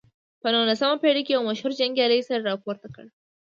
په نولسمه پېړۍ کې یو مشهور جنګیالي سر راپورته کړ.